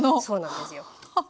そうなんですよ。